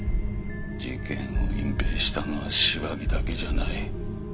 事件を隠蔽したのは芝木だけじゃない。